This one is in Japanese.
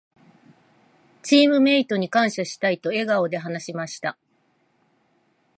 「チームメイトに感謝したい」と笑顔で話しました。